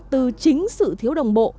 từ chính sự thiếu đồng bộ